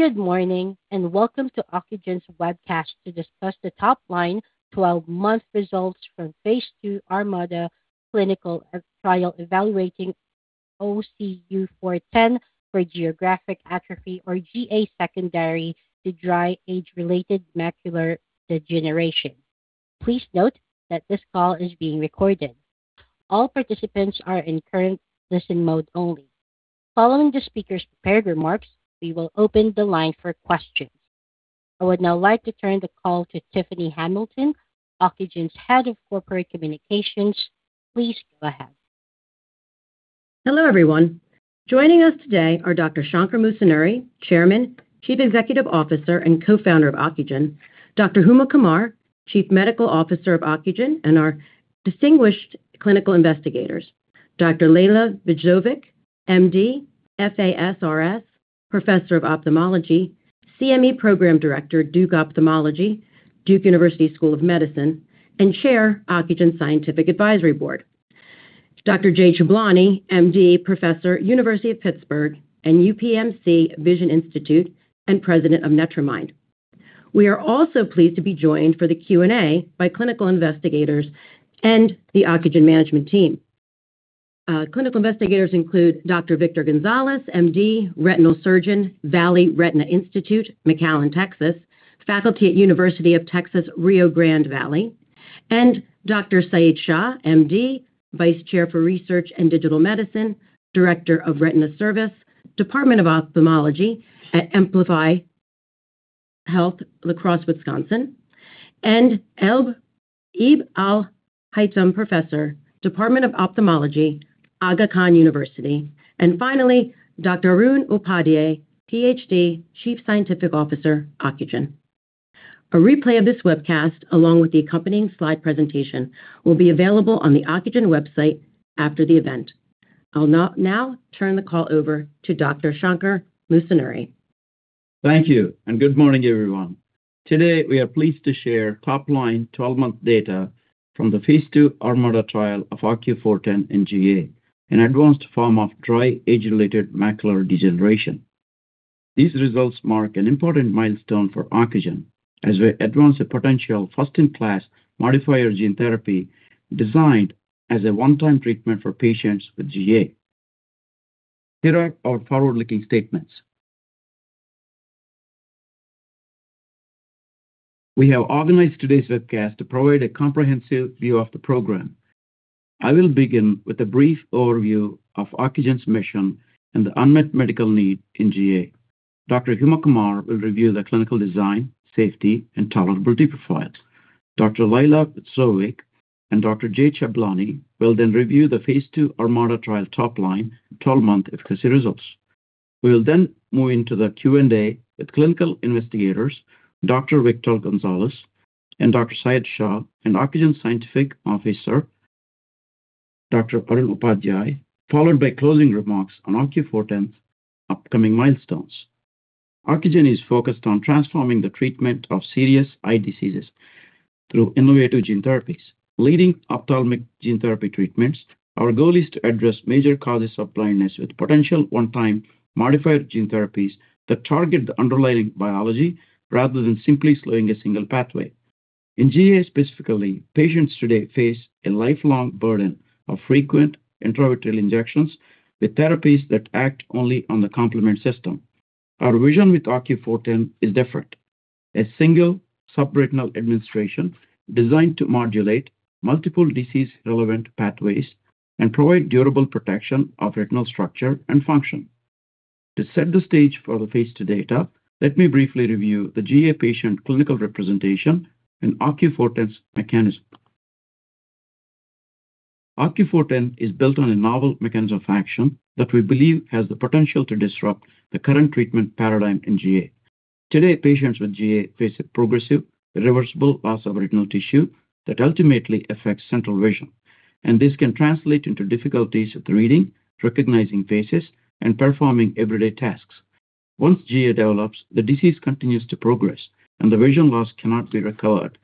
Good morning, and welcome to Ocugen's webcast to discuss the top-line 12-month results from phase II ArMaDa clinical trial evaluating OCU410 for geographic atrophy, or GA, secondary to dry age-related macular degeneration. Please note that this call is being recorded. All participants are in current listen mode only. Following the speakers' prepared remarks, we will open the line for questions. I would now like to turn the call to Tiffany Hamilton, Ocugen's Head of Corporate Communications. Please go ahead. Hello, everyone. Joining us today are Dr. Shankar Musunuri, Chairman, Chief Executive Officer, and Co-founder of Ocugen, Dr. Huma Qamar, Chief Medical Officer of Ocugen, and our distinguished clinical investigators, Dr. Lejla Vajzovic, MD, FASRS, Professor of Ophthalmology, CME Program Director, Duke Department of Ophthalmology, Duke University School of Medicine, and Chair, Ocugen Scientific Advisory Board. Dr. Jay Chhablani, MD, Professor, University of Pittsburgh and UPMC Vision Institute, and President of NetraMind. We are also pleased to be joined for the Q&A by clinical investigators and the Ocugen management team. Clinical investigators include Dr. Victor Gonzalez, MD, Retinal Surgeon, Valley Retina Institute, McAllen, Texas, faculty at University of Texas Rio Grande Valley. Dr. Syed Shah, MD, Vice Chair for Research and Digital Medicine, Director of Retina Service, Department of Ophthalmology at Gundersen Health System La Crosse, Wisconsin. Ibn Al-Haytham Professor, Department of Ophthalmology, Aga Khan University. Finally, Dr. Arun Upadhyay, PhD, Chief Scientific Officer, Ocugen. A replay of this webcast, along with the accompanying slide presentation, will be available on the Ocugen website after the event. I'll now turn the call over to Dr. Shankar Musunuri. Thank you, and good morning, everyone. Today, we are pleased to share top-line 12-month data from the phase II ArMaDa trial of OCU410 in GA, an advanced form of dry age-related macular degeneration. These results mark an important milestone for Ocugen as we advance a potential first-in-class modifier gene therapy designed as a one-time treatment for patients with GA. Here are our forward-looking statements. We have organized today's webcast to provide a comprehensive view of the program. I will begin with a brief overview of Ocugen's mission and the unmet medical need in GA. Dr. Huma Qamar will review the clinical design, safety, and tolerability profiles. Dr. Lejla Vajzovic and Dr. Jay Chhablani will then review the phase II ArMaDa trial top-line 12-month efficacy results. We will then move into the Q&A with clinical investigators, Dr. Victor Gonzalez and Dr. Syed Shah, and Ocugen scientific officer, Dr. Arun Upadhyay, followed by closing remarks on OCU410's upcoming milestones. Ocugen is focused on transforming the treatment of serious eye diseases through innovative gene therapies. Leading ophthalmic gene therapy treatments, our goal is to address major causes of blindness with potential one-time modifier gene therapies that target the underlying biology rather than simply slowing a single pathway. In GA specifically, patients today face a lifelong burden of frequent intravitreal injections with therapies that act only on the complement system. Our vision with OCU410 is different. A single subretinal administration designed to modulate multiple disease-relevant pathways and provide durable protection of retinal structure and function. To set the stage for the phase II data, let me briefly review the GA patient clinical representation and OCU410's mechanism. OCU410 is built on a novel mechanism of action that we believe has the potential to disrupt the current treatment paradigm in GA. Today, patients with GA face a progressive, irreversible loss of retinal tissue that ultimately affects central vision, and this can translate into difficulties with reading, recognizing faces, and performing everyday tasks. Once GA develops, the disease continues to progress, and the vision loss cannot be recovered.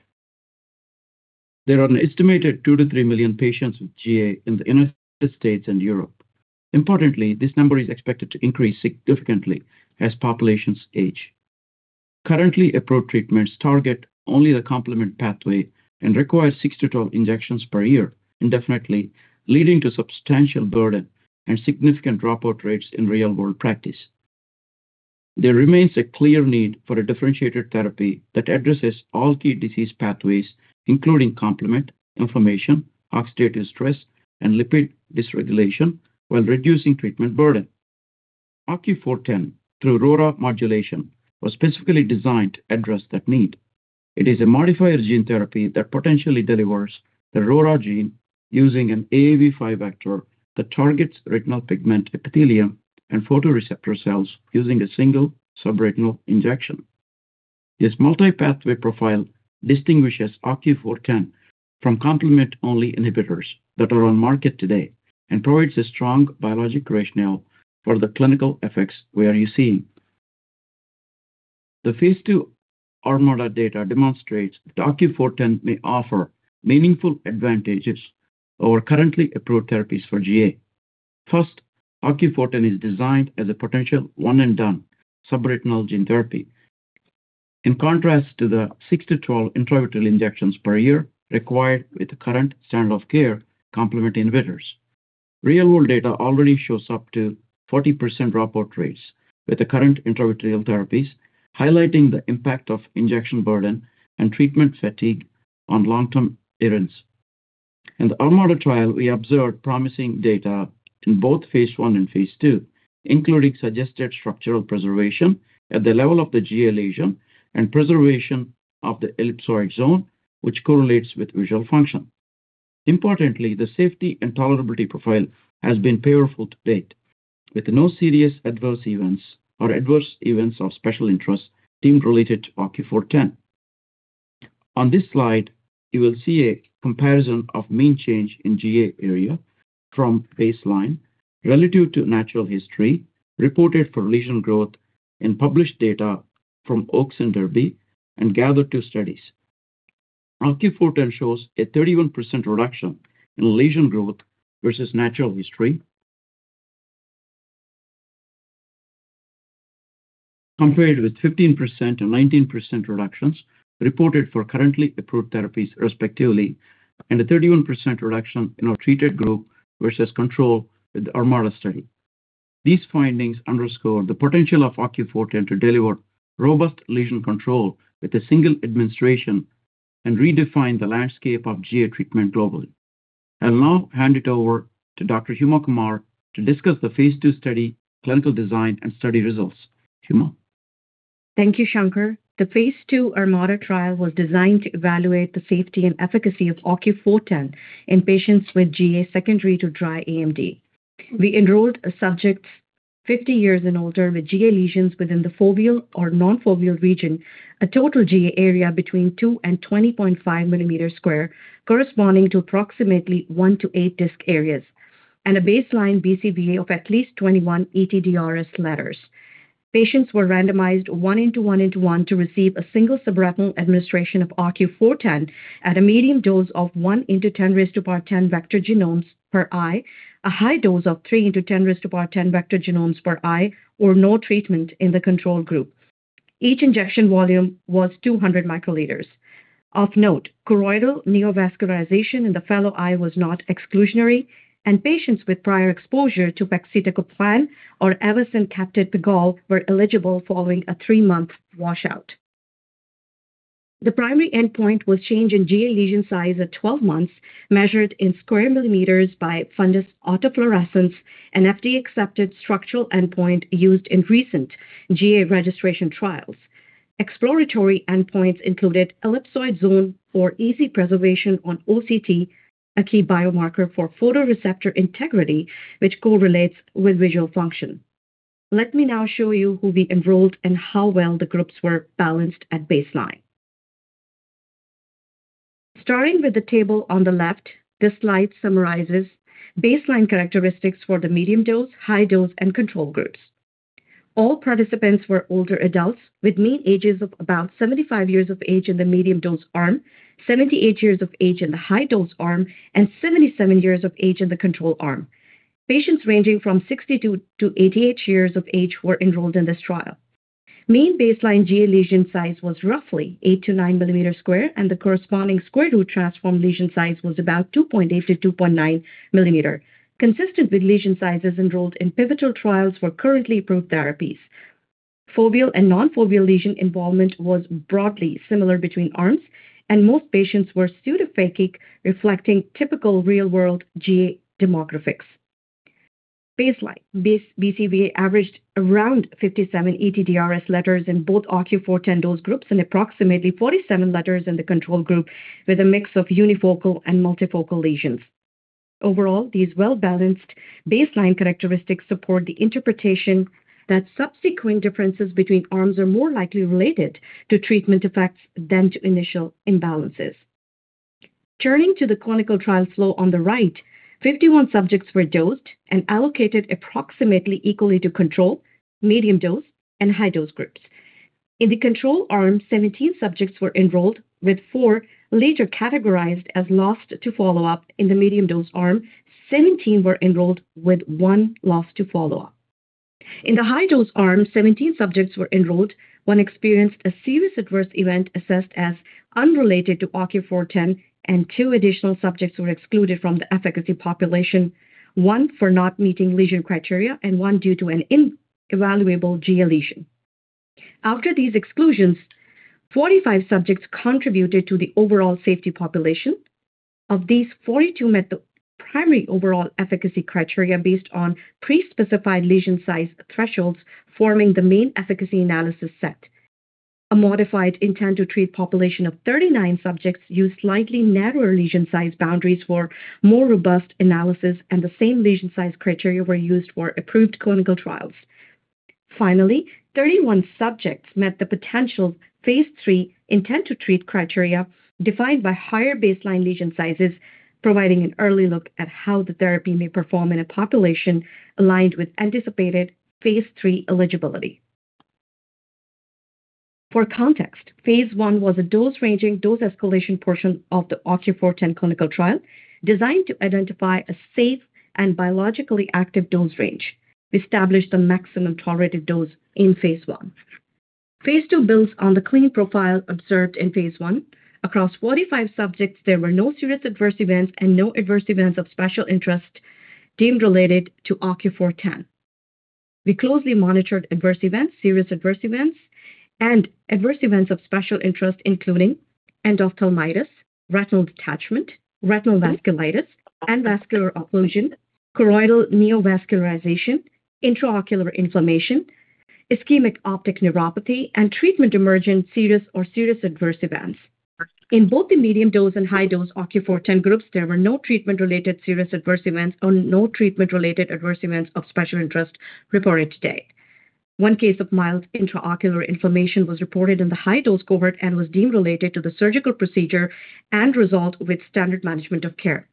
There are an estimated 2-3 million patients with GA in the United States and Europe. Importantly, this number is expected to increase significantly as populations age. Currently, approved treatments target only the complement pathway and require six-12 injections per year indefinitely, leading to substantial burden and significant dropout rates in real-world practice. There remains a clear need for a differentiated therapy that addresses all key disease pathways, including complement, inflammation, oxidative stress, and lipid dysregulation, while reducing treatment burden. OCU410, through RORA modulation, was specifically designed to address that need. It is a modifier gene therapy that potentially delivers the RORA gene using an AAV5 vector that targets retinal pigment epithelium and photoreceptor cells using a single subretinal injection. This multi-pathway profile distinguishes OCU410 from complement-only inhibitors that are on the market today and provides a strong biologic rationale for the clinical effects we are seeing. The phase II ArMaDa data demonstrates that OCU410 may offer meaningful advantages over currently approved therapies for GA. First, OCU410 is designed as a potential one and done subretinal gene therapy. In contrast to the six-12 intravitreal injections per year required with the current standard of care complement inhibitors. Real-world data already shows up to 40% dropout rates with the current intravitreal therapies, highlighting the impact of injection burden and treatment fatigue on long-term adherence. In the ArMaDa trial, we observed promising data in both phase I and phase II, including suggested structural preservation at the level of the GA lesion and preservation of the ellipsoid zone, which correlates with visual function. Importantly, the safety and tolerability profile has been favorable to date, with no serious adverse events or adverse events of special interest deemed related to OCU410. On this slide, you will see a comparison of mean change in GA area from baseline relative to natural history reported for lesion growth in published data from OAKS and DERBY and GATHER2 studies. OCU410 shows a 31% reduction in lesion growth versus natural history compared with 15% and 19% reductions reported for currently approved therapies, respectively, and a 31% reduction in our treated group versus control with the ArMaDa study. These findings underscore the potential of OCU410 to deliver robust lesion control with a single administration and redefine the landscape of GA treatment globally. I'll now hand it over to Dr. Huma Qamar to discuss the phase II study, clinical design, and study results. Huma. Thank you, Shankar. The phase II ArMaDa trial was designed to evaluate the safety and efficacy of OCU410 in patients with GA secondary to dry AMD. We enrolled subjects 50 years and older with GA lesions within the foveal or non-foveal region, a total GA area between 2 mm² and 20.5 mm², corresponding to approximately 1-8 disc areas, and a baseline BCVA of at least 21 ETDRS letters. Patients were randomized 1:1:1 to receive a single subretinal administration of OCU410 at a medium dose of 1 × 10^10 vector genomes per eye, a high dose of 3 × 10^10 vector genomes per eye, or no treatment in the control group. Each injection volume was 200 µL. Of note, choroidal neovascularization in the fellow eye was not exclusionary, and patients with prior exposure to pegcetacoplan or avacincaptad pegol were eligible following a three-month washout. The primary endpoint was change in GA lesion size at 12 months, measured in square millimeters by fundus autofluorescence, an FDA-accepted structural endpoint used in recent GA registration trials. Exploratory endpoints included ellipsoid zone or EZ preservation on OCT, a key biomarker for photoreceptor integrity, which correlates with visual function. Let me now show you who we enrolled and how well the groups were balanced at baseline. Starting with the table on the left, this slide summarizes baseline characteristics for the medium dose, high dose, and control groups. All participants were older adults with mean ages of about 75 years of age in the medium dose arm, 78 years of age in the high dose arm, and 77 years of age in the control arm. Patients ranging from 60-88 years of age were enrolled in this trial. Mean baseline GA lesion size was roughly 8 mm²-9 mm², and the corresponding square root transformed lesion size was about 2.8 mm-2.9 mm, consistent with lesion sizes enrolled in pivotal trials for currently approved therapies. Foveal and non-foveal lesion involvement was broadly similar between arms, and most patients were pseudophakic, reflecting typical real-world GA demographics. Baseline BCVA averaged around 57 ETDRS letters in both OCU410 dose groups and approximately 47 letters in the control group, with a mix of unifocal and multifocal lesions. Overall, these well-balanced baseline characteristics support the interpretation that subsequent differences between arms are more likely related to treatment effects than to initial imbalances. Turning to the clinical trial flow on the right, 51 subjects were dosed and allocated approximately equally to control, medium dose, and high dose groups. In the control arm, 17 subjects were enrolled, with four later categorized as lost to follow-up. In the medium dose arm, 17 were enrolled with 1 lost to follow-up. In the high dose arm, 17 subjects were enrolled, one experienced a serious adverse event assessed as unrelated to OCU410, and two additional subjects were excluded from the efficacy population, one for not meeting lesion criteria and one due to an inevaluable GA lesion. After these exclusions, 45 subjects contributed to the overall safety population. Of these, 42 met the primary overall efficacy criteria based on pre-specified lesion size thresholds, forming the main efficacy analysis set. A modified intent-to-treat population of 39 subjects used slightly narrower lesion size boundaries for more robust analysis, and the same lesion size criteria were used for approved clinical trials. Finally, 31 subjects met the potential phase III intent-to-treat criteria defined by higher baseline lesion sizes, providing an early look at how the therapy may perform in a population aligned with anticipated phase III eligibility. For context, phase I was a dose ranging, dose escalation portion of the OCU410 clinical trial designed to identify a safe and biologically active dose range. We established the maximum tolerated dose in phase I. Phase II builds on the clean profile observed in phase I. Across 45 subjects, there were no serious adverse events and no adverse events of special interest deemed related to OCU410. We closely monitored adverse events, serious adverse events, and adverse events of special interest including endophthalmitis, retinal detachment, retinal vasculitis, and vascular occlusion, choroidal neovascularization, intraocular inflammation, ischemic optic neuropathy, and treatment emergent serious or serious adverse events. In both the medium dose and high dose OCU410 groups, there were no treatment-related serious adverse events or no treatment-related adverse events of special interest reported today. One case of mild intraocular inflammation was reported in the high dose cohort and was deemed related to the surgical procedure and resolved with standard management of care.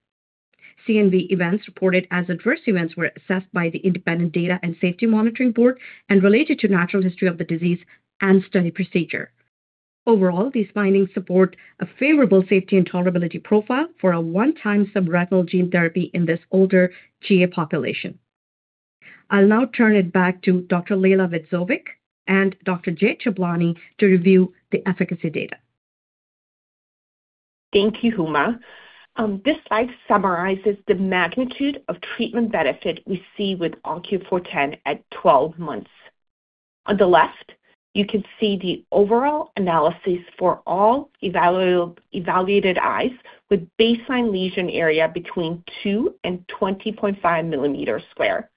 CNV events reported as adverse events were assessed by the independent data and safety monitoring board and related to natural history of the disease and study procedure. Overall, these findings support a favorable safety and tolerability profile for a one-time subretinal gene therapy in this older GA population. I'll now turn it back to Dr. Lejla Vajzovic and Dr. Jay Chhablani to review the efficacy data. Thank you, Huma. This slide summarizes the magnitude of treatment benefit we see with OCU410 at 12 months. On the left, you can see the overall analysis for all evaluated eyes with baseline lesion area between 2 mm² and 20.5 mm².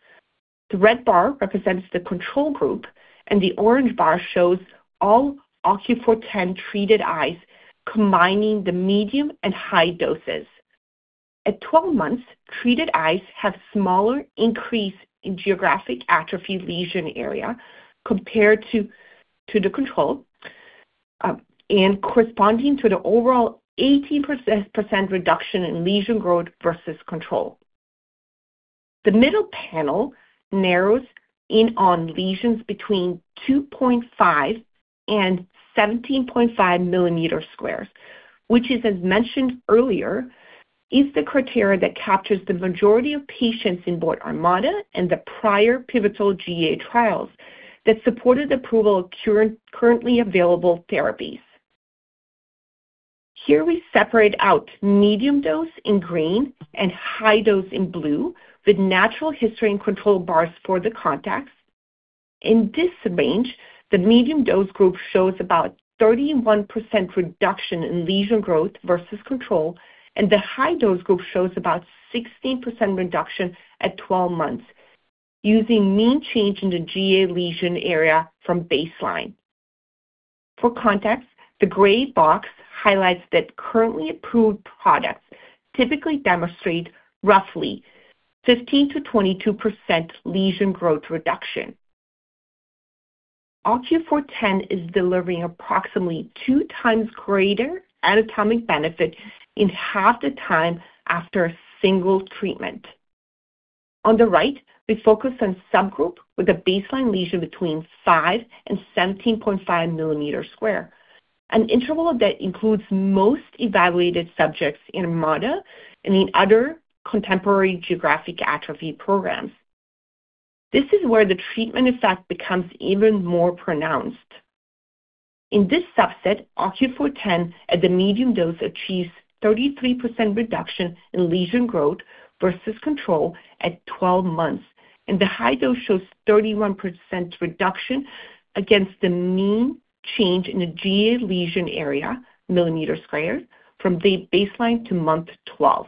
The red bar represents the control group, and the orange bar shows all OCU410-treated eyes, combining the medium and high doses. At 12 months, treated eyes have smaller increase in geographic atrophy lesion area compared to the control, and corresponding to the overall 80% reduction in lesion growth versus control. The middle panel narrows in on lesions between 2.5 mm² and 17.5 mm², which as mentioned earlier, is the criteria that captures the majority of patients in both ArMaDa and the prior pivotal GA trials that supported approval of currently available therapies. Here we separate out medium dose in green and high dose in blue with natural history and control bars for the context. In this range, the medium dose group shows about 31% reduction in lesion growth versus control, and the high dose group shows about 16% reduction at 12 months using mean change in the GA lesion area from baseline. For context, the gray box highlights that currently approved products typically demonstrate roughly 15%-22% lesion growth reduction. OCU410 is delivering approximately 2x greater anatomic benefit in half the time after a single treatment. On the right, we focus on subgroup with a baseline lesion 5 mm²-17.5 mm² an interval that includes most evaluated subjects in ArMaDa and in other contemporary geographic atrophy programs. This is where the treatment effect becomes even more pronounced. In this subset, OCU410 at the medium dose achieves 33% reduction in lesion growth versus control at 12 months, and the high dose shows 31% reduction against the mean change in the GA lesion area mm² from the baseline to month 12.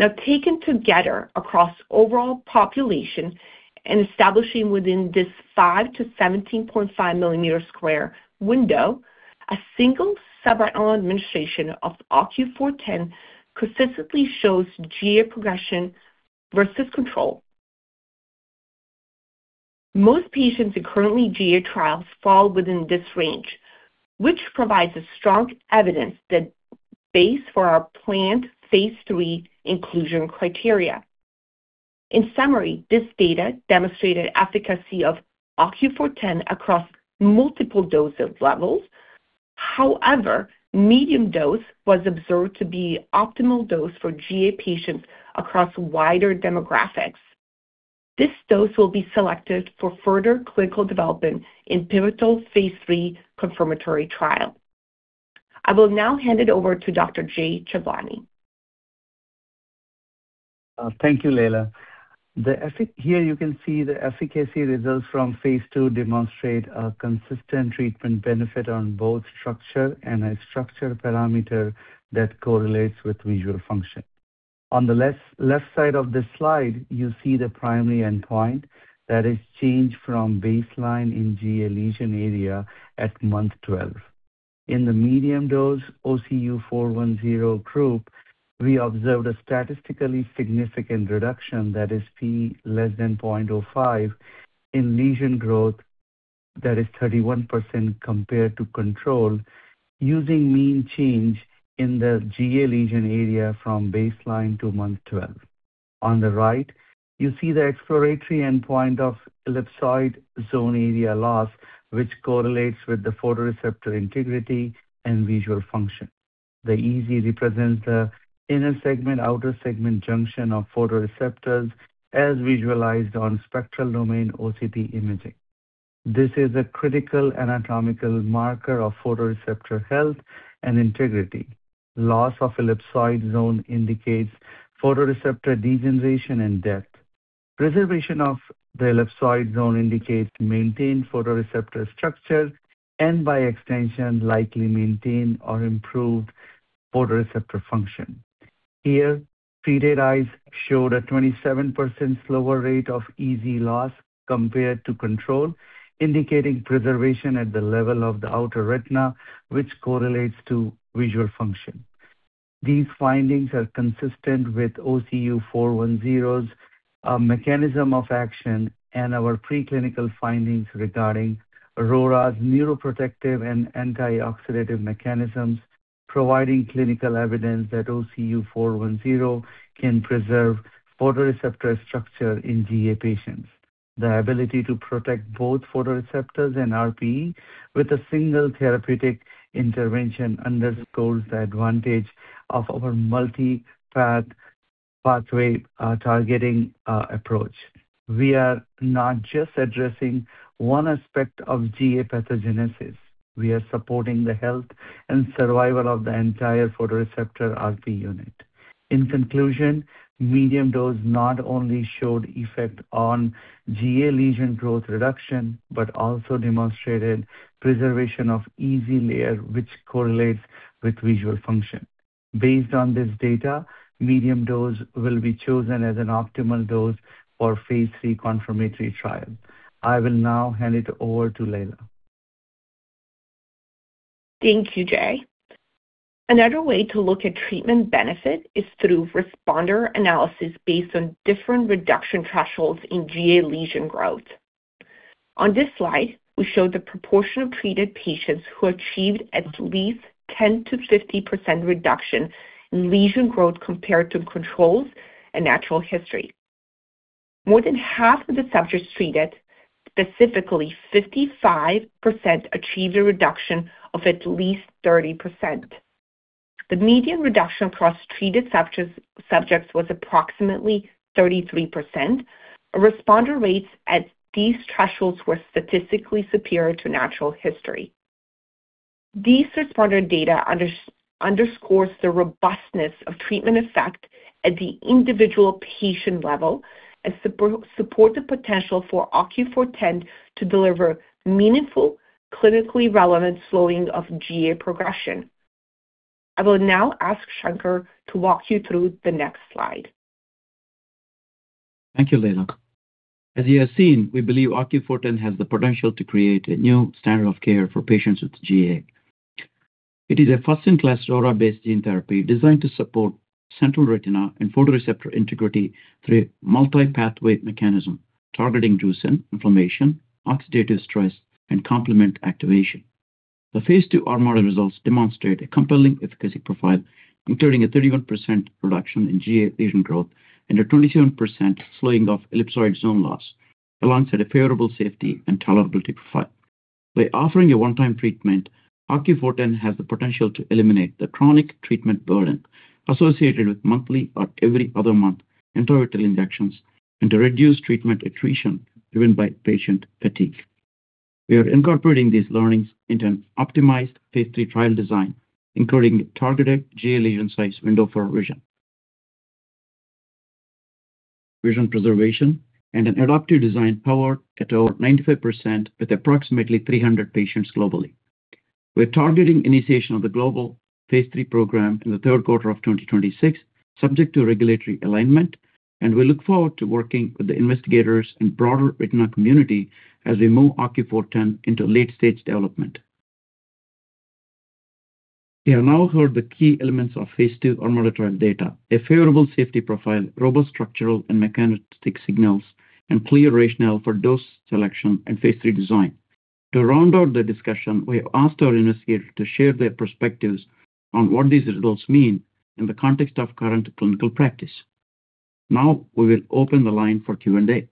Now, taken together across overall population and establishing within this 5 mm²-17.5 mm² window, a single subretinal administration of OCU410 consistently slows GA progression versus control. Most patients in current GA trials fall within this range, which provides a strong evidence base for our planned phase III inclusion criteria. In summary, this data demonstrated efficacy of OCU410 across multiple dosage levels. However, medium dose was observed to be optimal dose for GA patients across wider demographics. This dose will be selected for further clinical development in pivotal phase III confirmatory trial. I will now hand it over to Dr. Jay Chhablani. Thank you, Lejla. Here you can see the efficacy results from phase II demonstrate a consistent treatment benefit on both structure and a structure parameter that correlates with visual function. On the left side of this slide, you see the primary endpoint that is change from baseline in GA lesion area at month 12. In the medium dose OCU410 group, we observed a statistically significant reduction that is P less than 0.05 in lesion growth that is 31% compared to control using mean change in the GA lesion area from baseline to month 12. On the right, you see the exploratory endpoint of ellipsoid zone area loss, which correlates with the photoreceptor integrity and visual function. The EZ represents the inner segment-outer segment junction of photoreceptors as visualized on spectral domain OCT imaging. This is a critical anatomical marker of photoreceptor health and integrity. Loss of ellipsoid zone indicates photoreceptor degeneration and death. Preservation of the ellipsoid zone indicates maintained photoreceptor structure and by extension, likely maintained or improved photoreceptor function. Here, treated eyes showed a 27% slower rate of EZ loss compared to control, indicating preservation at the level of the outer retina, which correlates to visual function. These findings are consistent with OCU410's mechanism of action and our preclinical findings regarding RORA's neuroprotective and antioxidative mechanisms, providing clinical evidence that OCU410 can preserve photoreceptor structure in GA patients. The ability to protect both photoreceptors and RPE with a single therapeutic intervention underscores the advantage of our multi-path pathway targeting approach. We are not just addressing one aspect of GA pathogenesis. We are supporting the health and survival of the entire photoreceptor RPE unit. In conclusion, medium dose not only showed effect on GA lesion growth reduction, but also demonstrated preservation of EZ layer, which correlates with visual function. Based on this data, medium dose will be chosen as an optimal dose for phase III confirmatory trial. I will now hand it over to Lejla. Thank you, Jay. Another way to look at treatment benefit is through responder analysis based on different reduction thresholds in GA lesion growth. On this slide, we show the proportion of treated patients who achieved at least 10%-50% reduction in lesion growth compared to controls and natural history. More than half of the subjects treated, specifically 55%, achieved a reduction of at least 30%. The median reduction across treated subjects was approximately 33%. Responder rates at these thresholds were statistically superior to natural history. These responder data underscores the robustness of treatment effect at the individual patient level and support the potential for OCU410 to deliver meaningful, clinically relevant slowing of GA progression. I will now ask Shankar to walk you through the next slide. Thank you, Lejla. As you have seen, we believe OCU410 has the potential to create a new standard of care for patients with GA. It is a first-in-class RORA-based gene therapy designed to support central retina and photoreceptor integrity through a multi-pathway mechanism, targeting drusen, inflammation, oxidative stress, and complement activation. The phase II ArMaDa results demonstrate a compelling efficacy profile, including a 31% reduction in GA lesion growth and a 27% slowing of ellipsoid zone loss, alongside a favorable safety and tolerability profile. By offering a one-time treatment, OCU410 has the potential to eliminate the chronic treatment burden associated with monthly or every other month intravitreal injections and to reduce treatment attrition driven by patient fatigue. We are incorporating these learnings into an optimized phase III trial design, including targeted GA lesion size window for vision preservation, and an adaptive design powered at over 95% with approximately 300 patients globally. We're targeting initiation of the global phase III program in the third quarter of 2026, subject to regulatory alignment, and we look forward to working with the investigators and broader retina community as we move OCU410 into late-stage development. You have now heard the key elements of phase II ArMaDa trial data, a favorable safety profile, robust structural and mechanistic signals, and clear rationale for dose selection and phase III design. To round out the discussion, we have asked our investigators to share their perspectives on what these results mean in the context of current clinical practice. Now we will open the line for Q&A.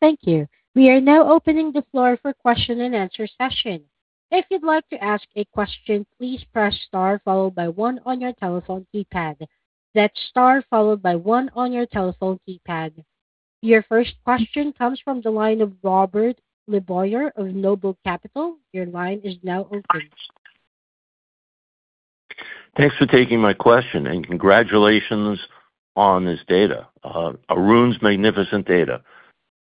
Thank you. We are now opening the floor for question and answer session. If you'd like to ask a question, please press star followed by one on your telephone keypad. That's star followed by one on your telephone keypad. Your first question comes from the line of Robert LeBoyer of Noble Capital. Your line is now open. Thanks for taking my question and congratulations on this data. Arun's magnificent data,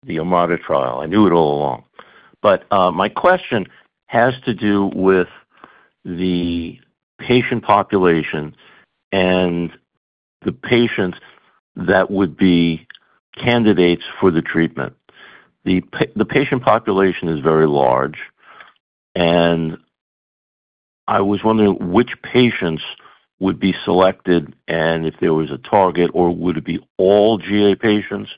the ArMaDa trial. I knew it all along. My question has to do with the patient population and the patients that would be candidates for the treatment. The patient population is very large, and I was wondering which patients would be selected and if there was a target or would it be all GA patients?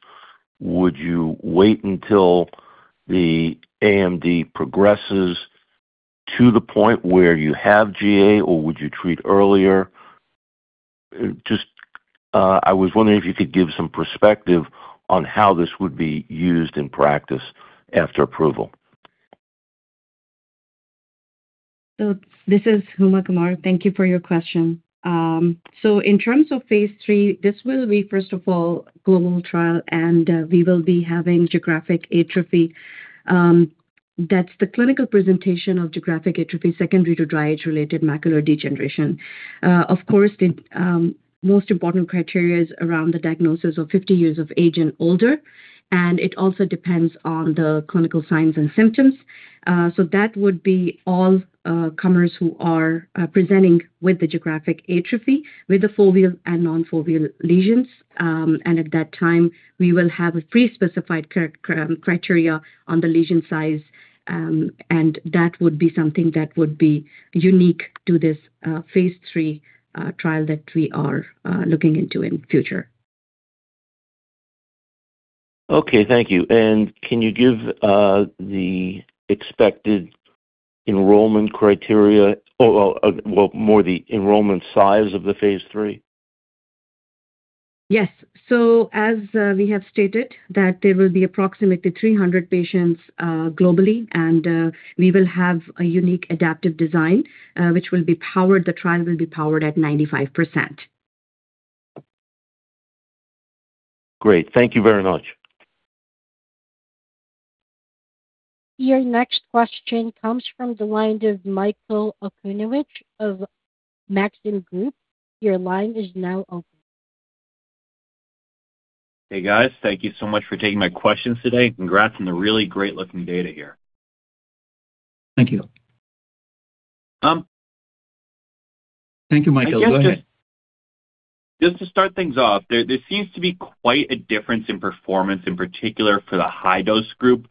Would you wait until the AMD progresses to the point where you have GA or would you treat earlier? Just, I was wondering if you could give some perspective on how this would be used in practice after approval. This is Huma Qamar. Thank you for your question. In terms of phase III, this will be first of all global trial, and we will be having geographic atrophy. That's the clinical presentation of geographic atrophy secondary to dry age-related macular degeneration. Of course, the most important criteria is around the diagnosis of 50 years of age and older, and it also depends on the clinical signs and symptoms. That would be all comers who are presenting with the geographic atrophy with the foveal and non-foveal lesions. At that time, we will have a pre-specified criteria on the lesion size, and that would be something that would be unique to this phase III trial that we are looking into in future. Okay. Thank you. Can you give the expected enrollment criteria or, well, more the enrollment size of the phase III? Yes. As we have stated, there will be approximately 300 patients globally, and we will have a unique adaptive design, which will be powered. The trial will be powered at 95%. Great. Thank you very much. Your next question comes from the line of Michael Okunewitch of Maxim Group. Your line is now open. Hey, guys. Thank you so much for taking my questions today. Congrats on the really great-looking data here. Thank you. Um. Thank you, Michael. Go ahead. Just to start things off, there seems to be quite a difference in performance, in particular for the high-dose group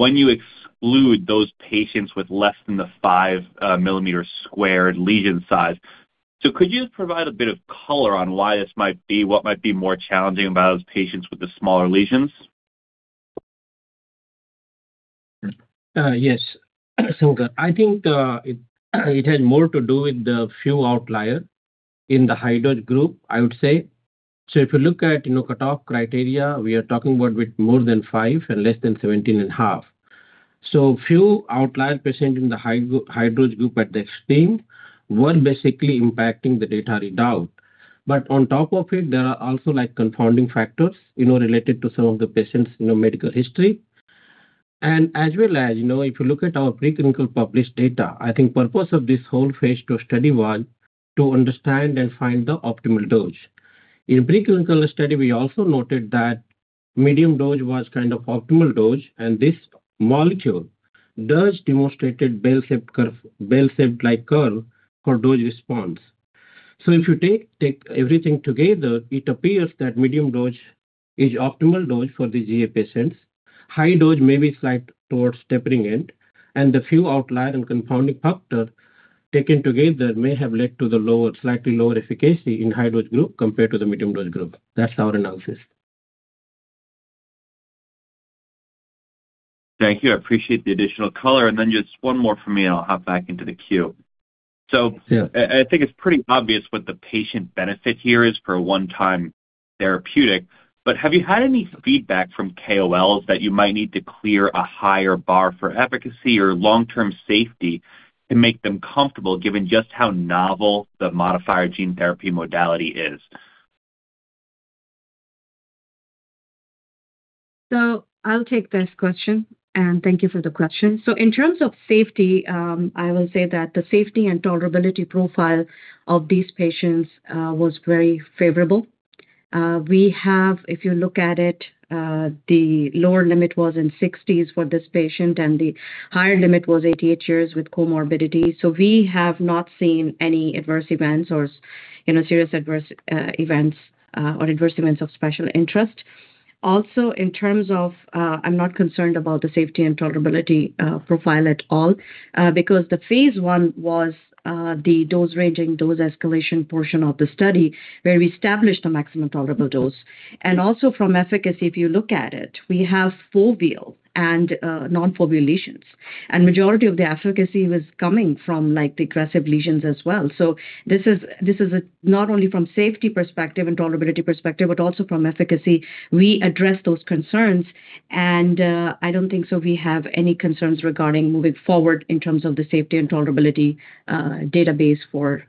when you exclude those patients with less than the 5 mm² lesion size. Could you provide a bit of color on why this might be, what might be more challenging about those patients with the smaller lesions? Yes. I think it has more to do with the few outlier in the high-dose group, I would say. If you look at, you know, cut-off criteria, we are talking about with more than 5 mm² and less than 17.5 mm². Few outlier present in the high-dose group at the extreme were basically impacting the data readout. But on top of it, there are also, like, confounding factors, you know, related to some of the patients', you know, medical history. As well as, you know, if you look at our preclinical published data, I think purpose of this whole phase II study was to understand and find the optimal dose. In preclinical study, we also noted that medium dose was kind of optimal dose, and this molecule does demonstrate a bell-shaped curve for dose response. If you take everything together, it appears that medium dose is optimal dose for the GA patients. High dose may be slight towards tapering end, and the few outlier and confounding factor taken together may have led to the lower, slightly lower efficacy in high-dose group compared to the medium dose group. That's our analysis. Thank you. I appreciate the additional color. Just one more for me, and I'll hop back into the queue. Yeah. I think it's pretty obvious what the patient benefit here is for a one-time therapeutic. But have you had any feedback from KOLs that you might need to clear a higher bar for efficacy or long-term safety to make them comfortable given just how novel the modifier gene therapy modality is? I'll take this question, and thank you for the question. In terms of safety, I will say that the safety and tolerability profile of these patients was very favorable. We have, if you look at it, the lower limit was in the 60s for this patient, and the higher limit was 88 years with comorbidity. We have not seen any adverse events or, you know, serious adverse events, or adverse events of special interest. Also, in terms of, I'm not concerned about the safety and tolerability profile at all, because the phase I was the dose ranging, dose escalation portion of the study where we established a maximum tolerable dose. Also from efficacy, if you look at it, we have foveal and non-foveal lesions, and majority of the efficacy was coming from, like, the aggressive lesions as well. This is a not only from safety perspective and tolerability perspective, but also from efficacy, we address those concerns. I don't think so we have any concerns regarding moving forward in terms of the safety and tolerability database for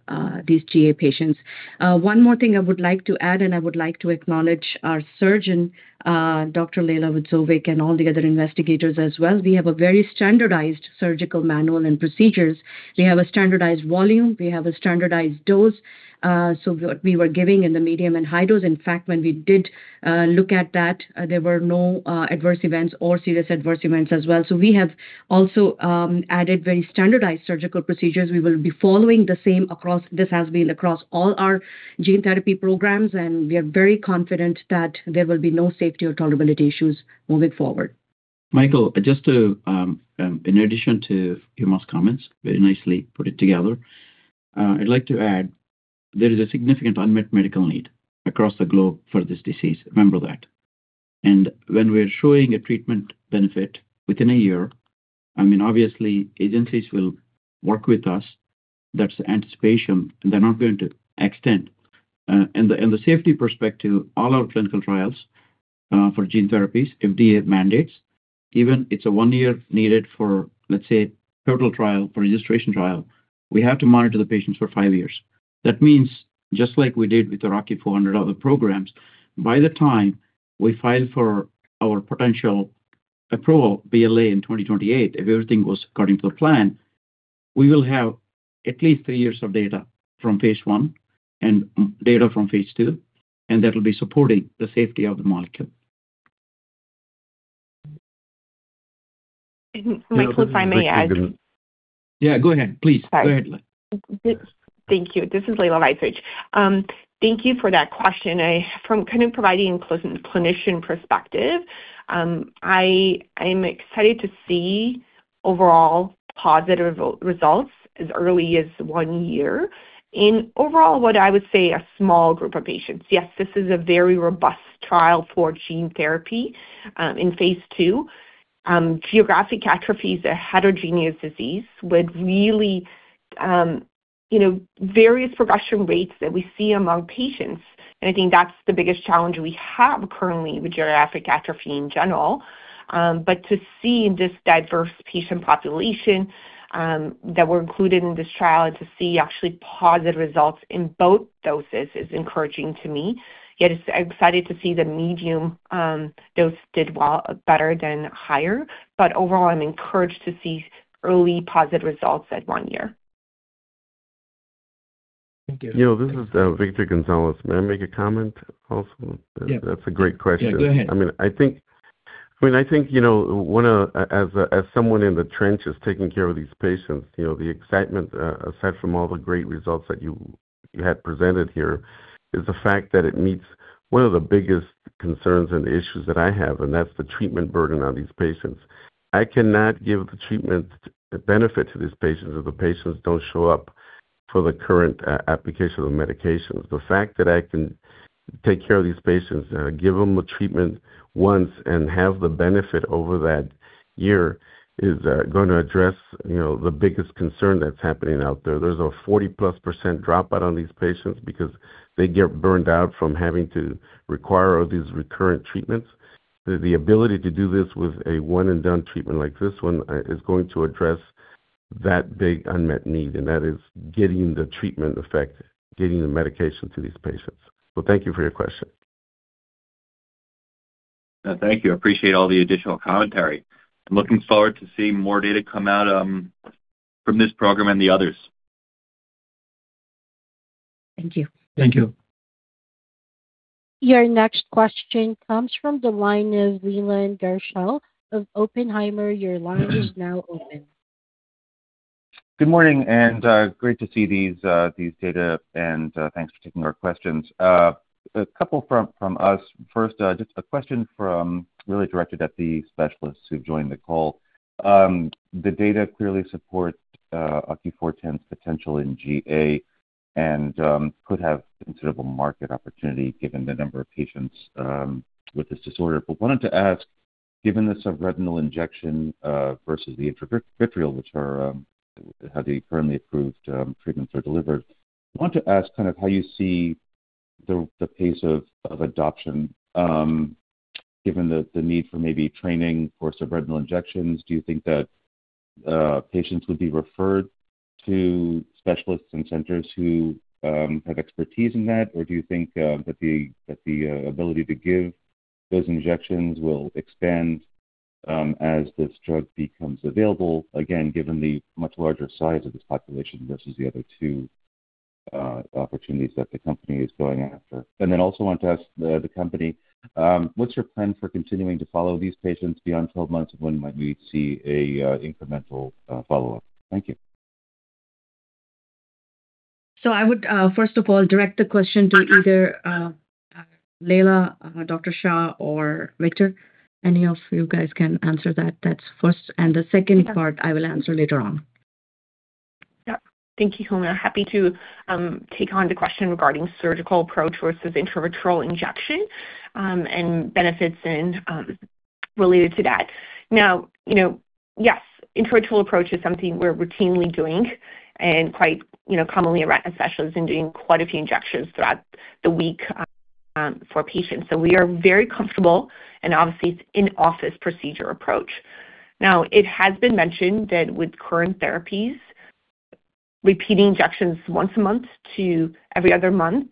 these GA patients. One more thing I would like to add, and I would like to acknowledge our surgeon, Dr. Lejla Vajzovic, and all the other investigators as well. We have a very standardized surgical manual and procedures. We have a standardized volume. We have a standardized dose, so what we were giving in the medium and high dose. In fact, when we did look at that, there were no adverse events or serious adverse events as well. We have also added very standardized surgical procedures. We will be following the same across. This has been across all our gene therapy programs, and we are very confident that there will be no safety or tolerability issues moving forward. Michael, just to, in addition to Huma's comments, very nicely put it together, I'd like to add there is a significant unmet medical need across the globe for this disease. Remember that. When we're showing a treatment benefit within a year, I mean, obviously agencies will work with us. That's anticipation, and they're not going to extend. In the safety perspective, all our clinical trials for gene therapies, FDA mandates, even it's a one-year needed for, let's say, total trial for registration trial, we have to monitor the patients for five years. That means just like we did with the OCU400 other programs, by the time we file for our potential approval BLA in 2028, if everything goes according to plan, we will have at least three years of data from phase I and data from phase II, and that will be supporting the safety of the molecule. Michael, if I may add. Yeah, go ahead. Please. Sorry. Go ahead, Lejla. Thank you. This is Lejla Vajzovic. Thank you for that question. I'm excited to see overall positive results as early as one year in overall what I would say a small group of patients. Yes, this is a very robust trial for gene therapy in phase II. Geographic atrophy is a heterogeneous disease with really, you know, various progression rates that we see among patients. I think that's the biggest challenge we have currently with geographic atrophy in general. To see in this diverse patient population that were included in this trial to see actually positive results in both doses is encouraging to me. Yet it's exciting to see the medium dose did well better than higher. Overall, I'm encouraged to see early positive results at one year. Thank you. You know, this is, Victor Gonzalez. May I make a comment also? Yeah. That's a great question. Yeah, go ahead. I think, you know, as someone in the trenches taking care of these patients, you know, the excitement, aside from all the great results that you had presented here is the fact that it meets one of the biggest concerns and issues that I have, and that's the treatment burden on these patients. I cannot give the treatment benefit to these patients if the patients don't show up for the current application of medications. The fact that I can take care of these patients, give them a treatment once and have the benefit over that year is going to address, you know, the biggest concern that's happening out there. There's a 40%+ dropout on these patients because they get burned out from having to require all these recurrent treatments. The ability to do this with a one-and-done treatment like this one, is going to address that big unmet need, and that is getting the treatment effect, getting the medication to these patients. Thank you for your question. Thank you. I appreciate all the additional commentary. I'm looking forward to seeing more data come out from this program and the others. Thank you. Thank you. Your next question comes from the line of Leland Gershell of Oppenheimer. Your line is now open. Good morning, and great to see these data and thanks for taking our questions. A couple from us. First, just a question that's really directed at the specialists who've joined the call. The data clearly supports OCU410's potential in GA and could have considerable market opportunity given the number of patients with this disorder. Wanted to ask, given the subretinal injection versus the intravitreal which is how the currently approved treatments are delivered. I want to ask kind of how you see the pace of adoption given the need for maybe training for subretinal injections. Do you think that patients would be referred to specialists and centers who have expertise in that? Do you think that the ability to give those injections will expand as this drug becomes available again, given the much larger size of this population versus the other two opportunities that the company is going after? Also want to ask the company what's your plan for continuing to follow these patients beyond 12 months and when might we see a incremental follow-up? Thank you. I would first of all direct the question to either Lejla, Dr. Shah or Victor. Any of you guys can answer that. That's first. The second part I will answer later on. Yeah. Thank you. I'm happy to take on the question regarding surgical approach versus intravitreal injection and benefits and related to that. Now, you know, yes, intravitreal approach is something we're routinely doing and quite, you know, commonly a retina specialist is doing quite a few injections throughout the week for patients. So we are very comfortable and obviously it's in-office procedure approach. Now, it has been mentioned that with current therapies, repeating injections once a month to every other month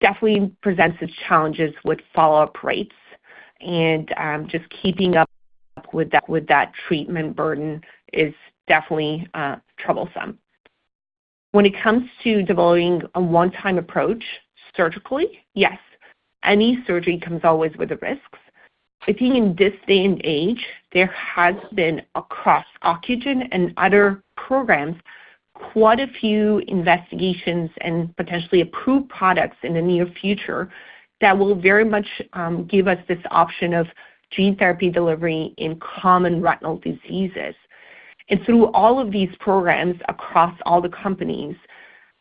definitely presents its challenges with follow-up rates. Just keeping up with that treatment burden is definitely troublesome. When it comes to developing a one-time approach surgically, yes, any surgery comes always with the risks. I think in this day and age, there has been across Ocugen and other programs, quite a few investigations and potentially approved products in the near future that will very much give us this option of gene therapy delivery in common retinal diseases. Through all of these programs across all the companies,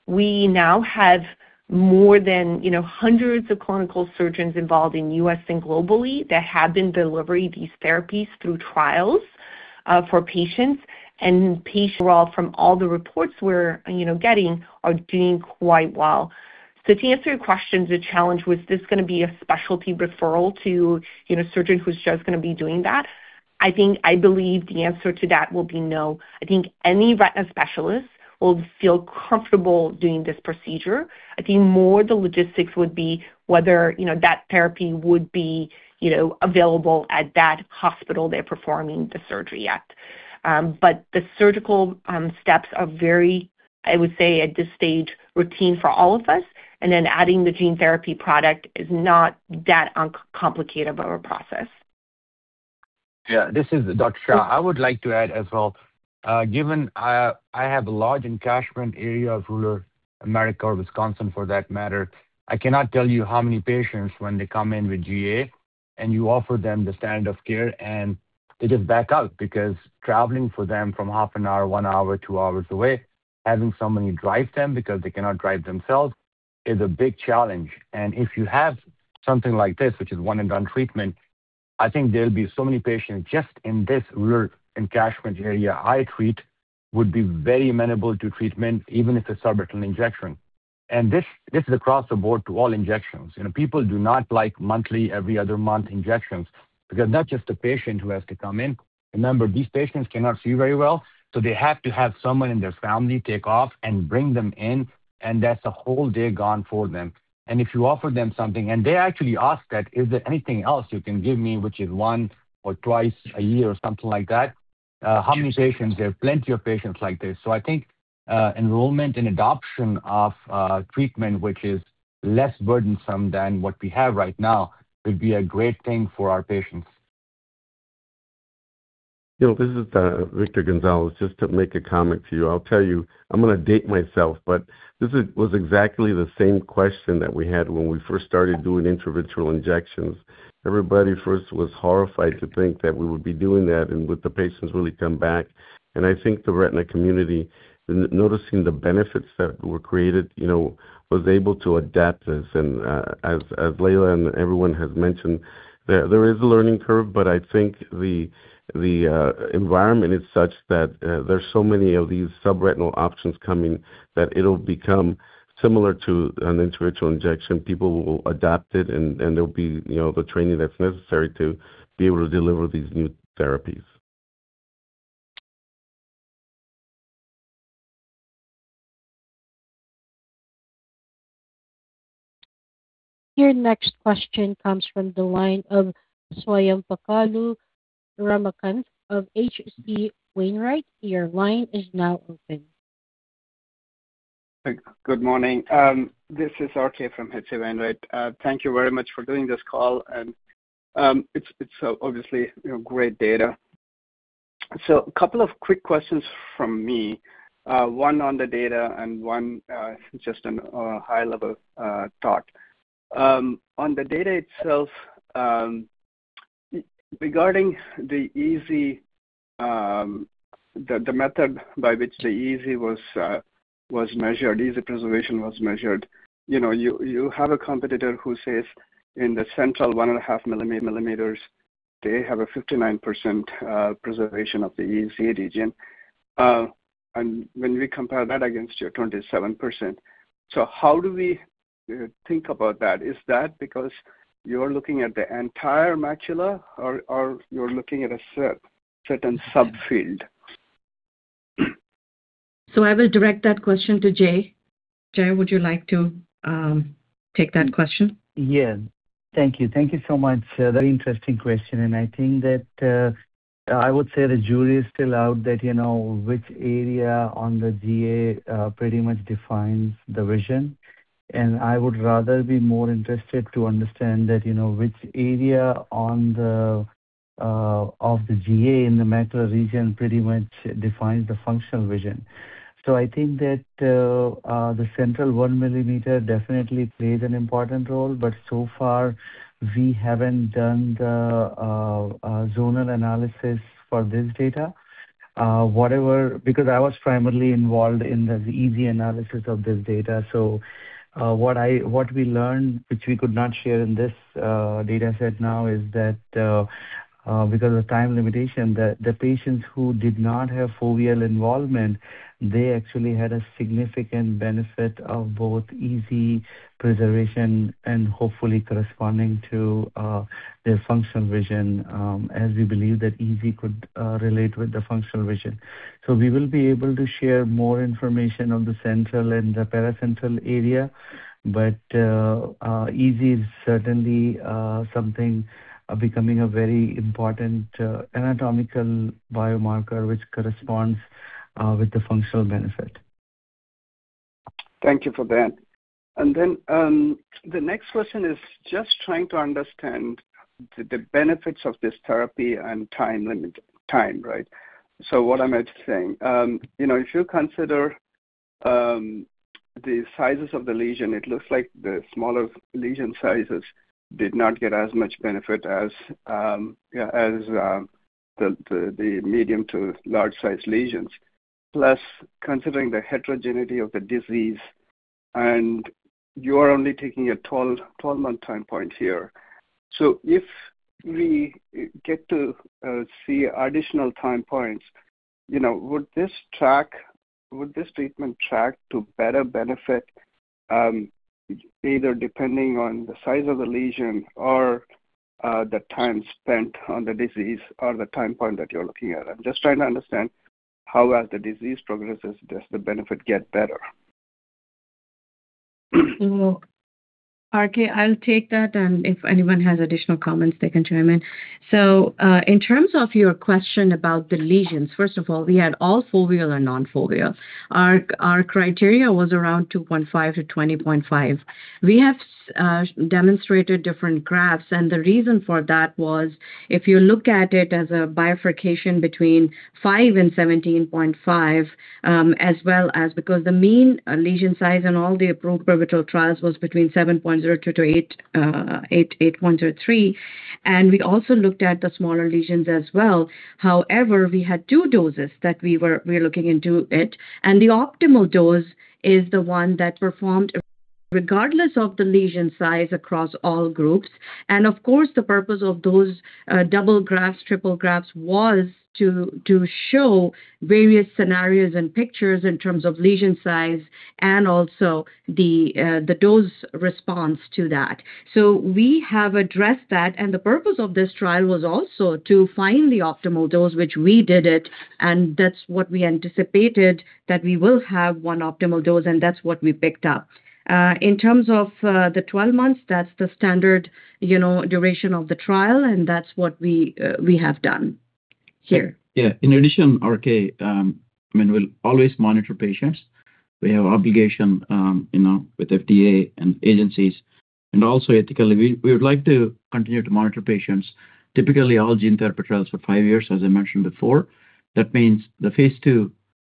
we now have more than, you know, hundreds of clinical surgeons involved in U.S. and globally that have been delivering these therapies through trials for patients. Patients overall, from all the reports we're, you know, getting, are doing quite well. To answer your question, the challenge was this gonna be a specialty referral to, you know, a surgeon who's just gonna be doing that? I think I believe the answer to that will be no. I think any retina specialist will feel comfortable doing this procedure. I think more the logistics would be whether, you know, that therapy would be, you know, available at that hospital they're performing the surgery at. The surgical steps are very, I would say at this stage, routine for all of us, and then adding the gene therapy product is not that uncomplicated of a process. Yeah. This is Dr. Shah. I would like to add as well, given I have a large catchment area of rural America or Wisconsin for that matter, I cannot tell you how many patients when they come in with GA, and you offer them the standard of care, and they just back out because traveling for them from half an hour, one hour, two hours away, having somebody drive them because they cannot drive themselves is a big challenge. If you have something like this, which is one and done treatment, I think there'll be so many patients just in this rural catchment area I treat would be very amenable to treatment, even if it's subretinal injection. This is across the board to all injections. You know, people do not like monthly, every other month injections because not just the patient who has to come in. Remember, these patients cannot see very well, so they have to have someone in their family take off and bring them in, and that's a whole day gone for them. If you offer them something and they actually ask that, "Is there anything else you can give me which is one or twice a year or something like that?" How many patients? There are plenty of patients like this. I think, enrollment and adoption of treatment, which is less burdensome than what we have right now, would be a great thing for our patients. You know, this is Victor Gonzalez. Just to make a comment to you. I'll tell you, I'm gonna date myself, but this was exactly the same question that we had when we first started doing intravitreal injections. Everybody first was horrified to think that we would be doing that and would the patients really come back. I think the retina community, noticing the benefits that were created, you know, was able to adapt this. As Lejla and everyone has mentioned, there is a learning curve, but I think the environment is such that there's so many of these subretinal options coming that it'll become similar to an intravitreal injection. People will adapt it and there'll be, you know, the training that's necessary to be able to deliver these new therapies. Your next question comes from the line of Swayampakula Ramakanth of H.C. Wainwright. Your line is now open. Good morning. This is RK from H.C. Wainwright. Thank you very much for doing this call. It's obviously, you know, great data. A couple of quick questions from me, one on the data and one just on a high level thought. On the data itself, regarding the EZ, the method by which the EZ was measured, EZ preservation was measured. You know, you have a competitor who says in the central 1.5 millimeters, they have a 59% preservation of the EZ region, and when we compare that against your 27%. How do we think about that? Is that because you're looking at the entire macula or you're looking at a certain subfield? I will direct that question to Jay. Jay, would you like to take that question? Yeah. Thank you. Thank you so much. Very interesting question. I think that I would say the jury is still out that, you know, which area on the GA pretty much defines the vision. I would rather be more interested to understand that, you know, which area of the GA in the macular region pretty much defines the functional vision. I think that the central one millimeter definitely plays an important role, but so far we haven't done the zonal analysis for this data. Because I was primarily involved in the EZ analysis of this data. What we learned, which we could not share in this dataset now, is that, because of time limitation, the patients who did not have foveal involvement, they actually had a significant benefit of both EZ preservation and hopefully corresponding to their functional vision, as we believe that EZ could relate with the functional vision. We will be able to share more information on the central and the paracentral area. EZ is certainly something becoming a very important anatomical biomarker which corresponds with the functional benefit. Thank you for that. The next question is just trying to understand the benefits of this therapy and timeline. What am I saying? You know, if you consider the sizes of the lesions, it looks like the smaller lesion sizes did not get as much benefit as the medium to large size lesions, plus considering the heterogeneity of the disease, and you are only taking a 12-month time point here. If we get to see additional time points, you know, would this treatment track to better benefit either depending on the size of the lesion or the time spent on the disease or the time point that you are looking at? I'm just trying to understand how, as the disease progresses, does the benefit get better? RK, I'll take that, and if anyone has additional comments, they can chime in. In terms of your question about the lesions, first of all, we had all foveal and non-foveal. Our criteria was around 2.5 mm²-20.5mm². We have demonstrated different graphs, and the reason for that was if you look at it as a bifurcation between 5 mm²-17.5 mm², as well as because the mean lesion size in all the approved pivotal trials was between 7.02 mm²-8.03 mm². We also looked at the smaller lesions as well. However, we had two doses that we're looking into it, and the optimal dose is the one that performed regardless of the lesion size across all groups. Of course, the purpose of those double graphs, triple graphs was to show various scenarios and pictures in terms of lesion size and also the dose response to that. We have addressed that. The purpose of this trial was also to find the optimal dose, which we did it, and that's what we anticipated, that we will have one optimal dose, and that's what we picked up. In terms of the 12 months, that's the standard, you know, duration of the trial, and that's what we have done here. In addition, RK, I mean, we'll always monitor patients. We have obligation, you know, with FDA and agencies, and also ethically, we would like to continue to monitor patients. Typically, all gene therapy trials for five years, as I mentioned before. That means the phase II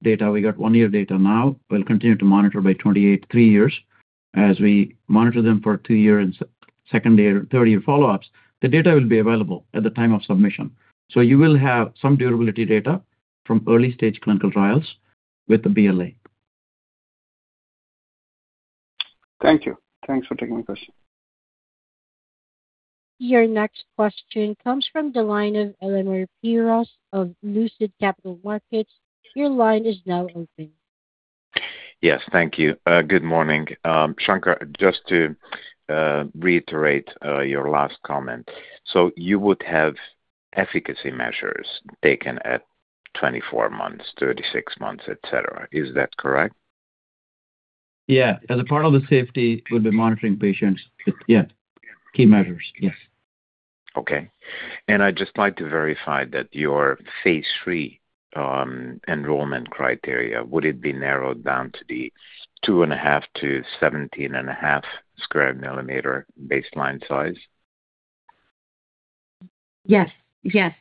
data, we got one-year data now. We'll continue to monitor by 2028, three years. As we monitor them for two years, second year, third year follow-ups, the data will be available at the time of submission. You will have some durability data from early-stage clinical trials with the BLA. Thank you. Thanks for taking my question. Your next question comes from the line of Elemer Piros of Lucid Capital Markets. Your line is now open. Yes. Thank you. Good morning. Shankar, just to reiterate your last comment. You would have efficacy measures taken at 24 months, 36 months, et cetera. Is that correct? As a part of the safety, we'll be monitoring patients. Key measures. Okay. I'd just like to verify that your phase III enrollment criteria would it be narrowed down to the 2.5 mm²-17.5 mm² baseline size? Yes. Yes.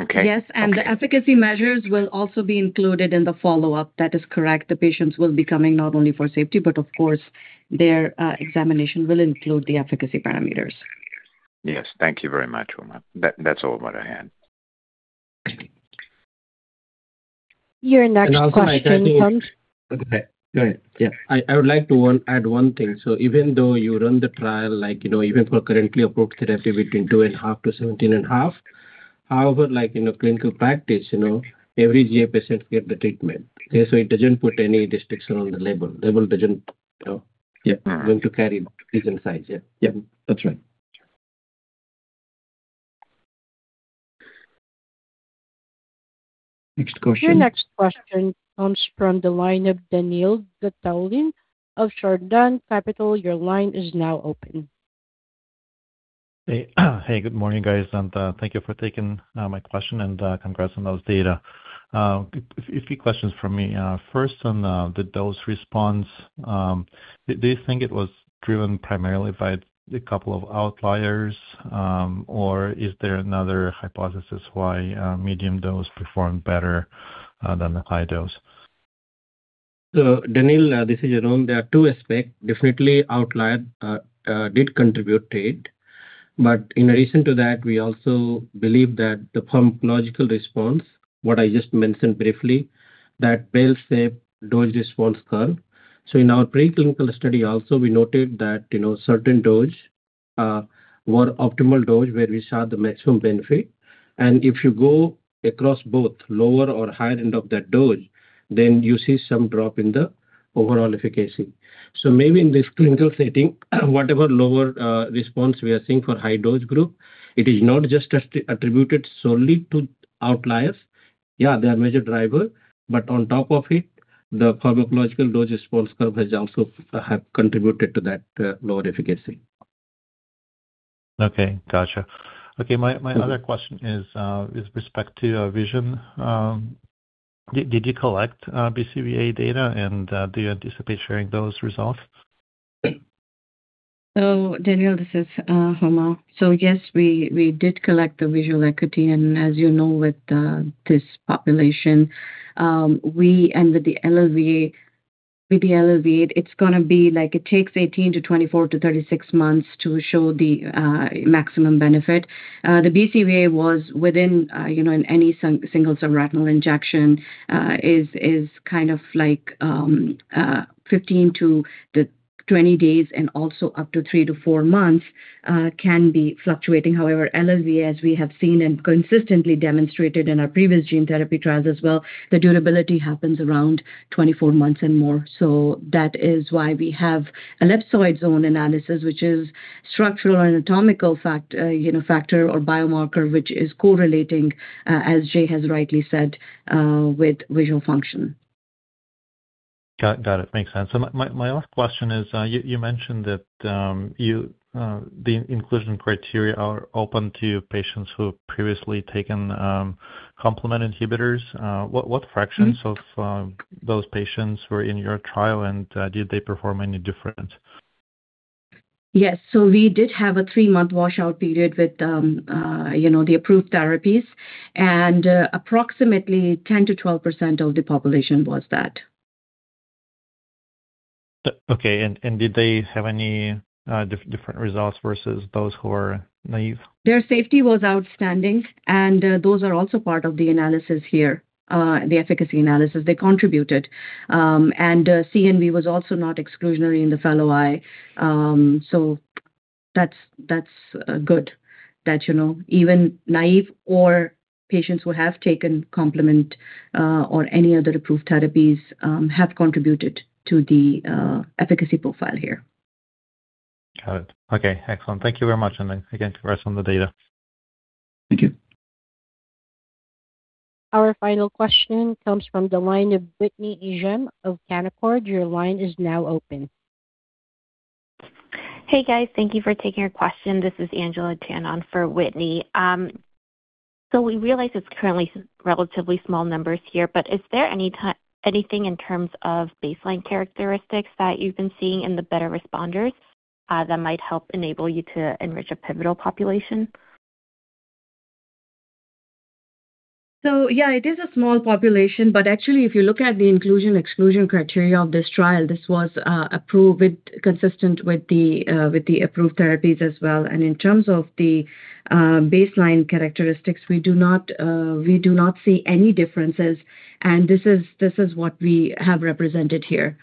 Okay. Yes. The efficacy measures will also be included in the follow-up. That is correct. The patients will be coming not only for safety, but of course their examination will include the efficacy parameters. Yes. Thank you very much, Huma. That's all what I had. Your next question comes. Go ahead. Yeah. I would like to add one thing. Even though you run the trial, like, you know, even for currently approved therapy between 2.5 mm²-17.5 mm², however, like in a clinical practice, you know, every GA patient get the treatment. Yeah. It doesn't put any restrictions on the label. Label doesn't, you know, yeah, going to carry different size. Yeah. Yeah, that's right. Next question. Your next question comes from the line of Daniil Gataulin of Chardan Capital. Your line is now open. Hey. Hey, good morning, guys, and thank you for taking my question and congrats on those data. A few questions from me. First on the dose response. Do you think it was driven primarily by a couple of outliers, or is there another hypothesis why medium dose performed better than the high dose? Daniil, this is Arun. There are two aspects. Definitely outliers did contribute to it. But in addition to that, we also believe that the pharmacological response, what I just mentioned briefly, that bell-shaped dose-response curve. In our preclinical study also, we noted that, you know, certain doses were optimal doses where we saw the maximum benefit. And if you go across both lower or higher end of that dose, then you see some drop in the overall efficacy. Maybe in this clinical setting, whatever lower response we are seeing for high-dose group, it is not just attributed solely to outliers. Yeah, they are major drivers, but on top of it, the pharmacological dose-response curve has also contributed to that lower efficacy. Okay. Gotcha. Okay. My other question is with respect to vision. Did you collect BCVA data, and do you anticipate sharing those results? Daniil, this is Huma. Yes, we did collect the visual acuity, and as you know, with this population, and with the LLVA. With the LLVA it's gonna be like it takes 18 to 24 to 36 months to show the maximum benefit. The BCVA was within, you know, in any single subretinal injection, is kind of like 15-20 days and also up to three-four months, can be fluctuating. However, LLVA, as we have seen and consistently demonstrated in our previous gene therapy trials as well, the durability happens around 24 months and more. That is why we have ellipsoid zone analysis, which is structural and anatomical factor or biomarker, which is correlating, as Jay has rightly said, with visual function. Got it. Makes sense. My last question is, you mentioned that, you, the inclusion criteria are open to patients who have previously taken complement inhibitors. What fractions- Mm-hmm. Of those patients were in your trial, and did they perform any different? Yes. We did have a three-month washout period with, you know, the approved therapies. Approximately 10%-12% of the population was that. Okay. Did they have any different results versus those who are naive? Their safety was outstanding, and those are also part of the analysis here, the efficacy analysis. They contributed. CNV was also not exclusionary in the fellow eye. That's good that, you know, even naive or patients who have taken complement or any other approved therapies have contributed to the efficacy profile here. Got it. Okay. Excellent. Thank you very much, and again, congrats on the data. Thank you. Our final question comes from the line of Whitney Ijem of Canaccord. Your line is now open. Hey, guys. Thank you for taking our question. This is Angela Qian on for Whitney. We realize it's currently relatively small numbers here, but is there anything in terms of baseline characteristics that you've been seeing in the better responders, that might help enable you to enrich a pivotal population? Yeah, it is a small population, but actually, if you look at the inclusion/exclusion criteria of this trial, this was approved, consistent with the approved therapies as well. In terms of the baseline characteristics, we do not see any differences, and this is what we have represented here.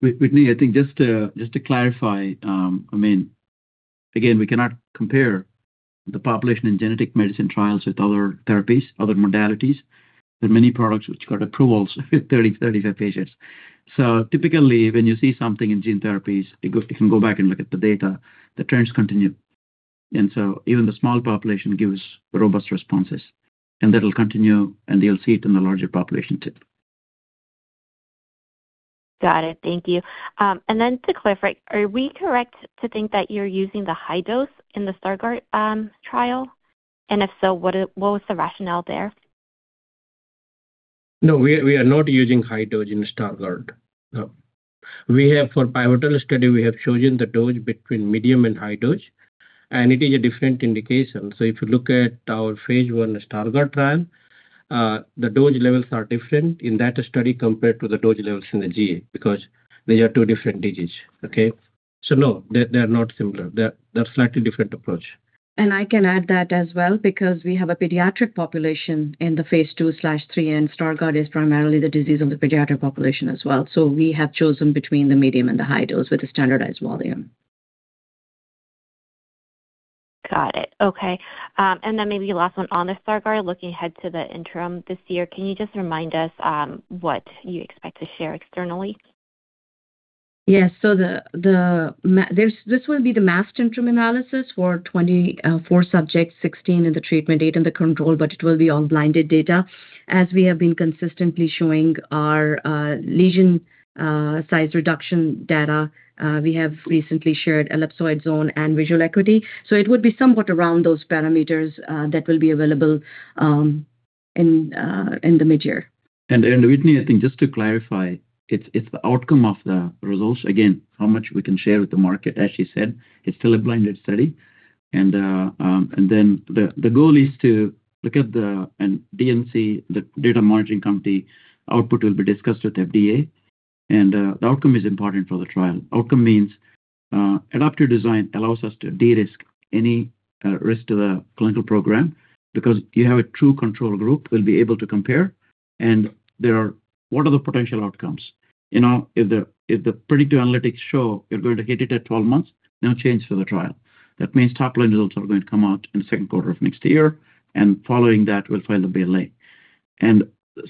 Whitney, I think just to clarify, I mean, again, we cannot compare the population in genetic medicine trials with other therapies, other modalities. There are many products which got approvals with 35 patients. Typically, when you see something in gene therapies, you go, you can go back and look at the data, the trends continue. Even the small population gives robust responses. That'll continue, and you'll see it in the larger population too. Got it. Thank you. To clarify, are we correct to think that you're using the high dose in the Stargardt trial? If so, what was the rationale there? No, we are not using high dose in Stargardt. No. We have, for pivotal study, chosen the dose between medium and high dose, and it is a different indication. If you look at our phase I Stargardt trial, the dose levels are different in that study compared to the dose levels in the GA because they are two different diseases. Okay? No, they're not similar. They're slightly different approach. I can add that as well because we have a pediatric population in the phase II/III, and Stargardt is primarily the disease of the pediatric population as well. We have chosen between the medium and the high dose with a standardized volume. Got it. Okay. Maybe last one on the Stargardt. Looking ahead to the interim this year, can you just remind us what you expect to share externally? Yes. This will be the masked interim analysis for 24 subjects, 16 in the treatment arm and the control, but it will be all blinded data. As we have been consistently showing our lesion size reduction data, we have recently shared ellipsoid zone and visual acuity. It would be somewhat around those parameters that will be available in the mid-year. Whitney, I think just to clarify, it's the outcome of the results. Again, how much we can share with the market, as she said, it's still a blinded study. The goal is to look at the DMC, the Data Monitoring Committee output will be discussed with FDA. The outcome is important for the trial. Outcome means adaptive design allows us to de-risk any risk to the clinical program because you have a true control group we'll be able to compare. What are the potential outcomes? You know, if the predictive analytics show you're going to hit it at 12 months, no change for the trial. That means top-line results are going to come out in the second quarter of next year, and following that, we'll file the BLA.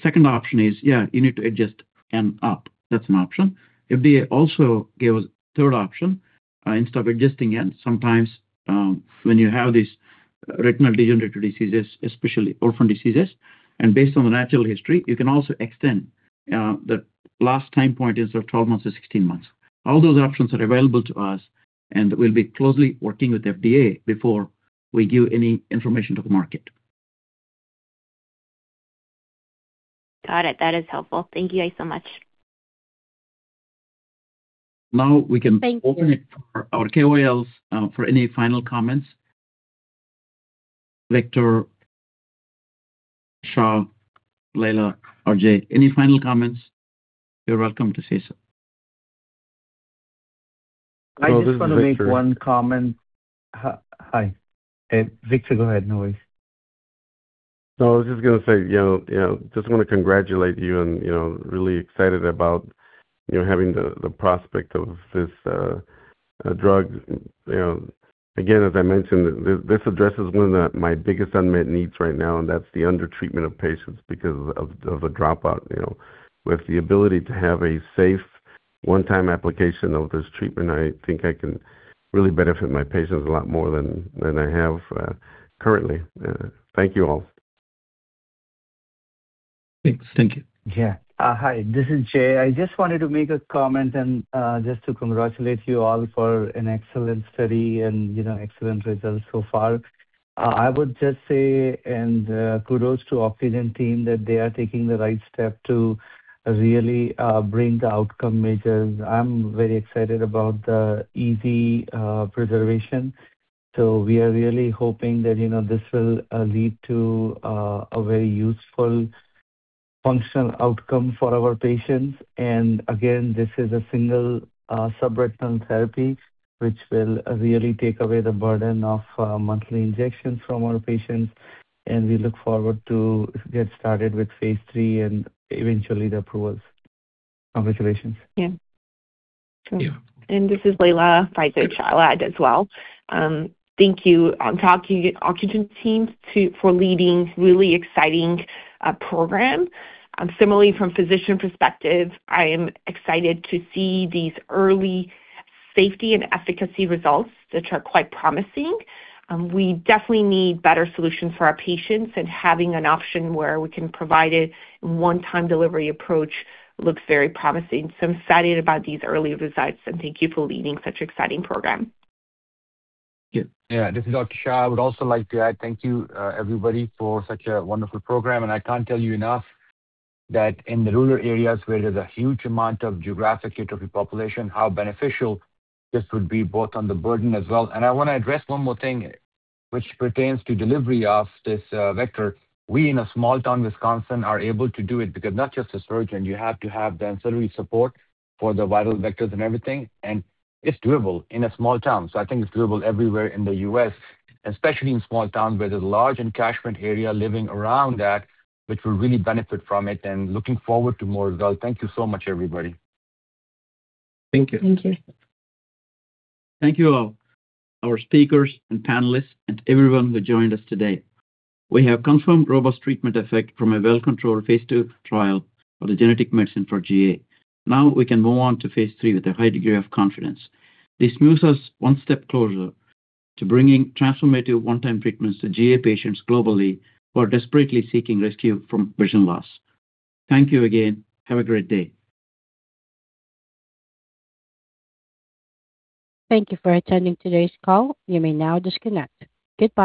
Second option is, yeah, you need to adjust N up. That's an option. FDA also gave us third option, instead of adjusting N, sometimes, when you have these retinal degenerative diseases, especially orphan diseases, and based on the natural history, you can also extend the last time point instead of 12 months to 16 months. All those options are available to us, and we'll be closely working with FDA before we give any information to the market. Got it. That is helpful. Thank you guys so much. Now we can. Thank you. Open it for our KOLs, for any final comments. Victor, Shah, Lejla, or Jay, any final comments, you're welcome to say so. I just wanna make one comment. Hi. Victor, go ahead. No worries. No, I was just gonna say, you know, just wanna congratulate you and, you know, really excited about, you know, having the prospect of this drug. You know, again, as I mentioned, this addresses one of my biggest unmet needs right now, and that's the undertreatment of patients because of the dropout, you know. With the ability to have a safe one-time application of this treatment, I think I can really benefit my patients a lot more than I have currently. Thank you all. Thanks. Thank you. Yeah. Hi. This is Jay. I just wanted to make a comment and just to congratulate you all for an excellent study and, you know, excellent results so far. I would just say and kudos to Ocugen team that they are taking the right step to really bring the outcome measures. I'm very excited about the EZ preservation. We are really hoping that, you know, this will lead to a very useful functional outcome for our patients. Again, this is a single subretinal therapy which will really take away the burden of monthly injections from our patients, and we look forward to get started with phase III and eventually the approvals. Congratulations. Yeah. Yeah. This is Lejla Vajzovic. Right there. I'll add as well. Thank you to Ocugen team for leading really exciting program. Similarly from physician perspective, I am excited to see these early safety and efficacy results which are quite promising. We definitely need better solutions for our patients and having an option where we can provide a one-time delivery approach looks very promising. I'm excited about these early results, and thank you for leading such exciting program. Yeah. This is Dr. Shah. I would also like to add thank you, everybody for such a wonderful program, and I can't tell you enough that in the rural areas where there's a huge amount of geographic atrophy population, how beneficial this would be both on the burden as well. I wanna address one more thing which pertains to delivery of this, vector. We in a small town, Wisconsin, are able to do it because not just a surgeon, you have to have the ancillary support for the viral vectors and everything, and it's doable in a small town. I think it's doable everywhere in the U.S., especially in small towns where there's a large encompassed area living around that which will really benefit from it and looking forward to more results. Thank you so much, everybody. Thank you. Thank you. Thank you all, our speakers and panelists and everyone who joined us today. We have confirmed robust treatment effect from a well-controlled phase II trial for the genetic medicine for GA. Now we can move on to phase III with a high degree of confidence. This moves us one step closer to bringing transformative one-time treatments to GA patients globally who are desperately seeking rescue from vision loss. Thank you again. Have a great day. Thank you for attending today's call. You may now disconnect. Goodbye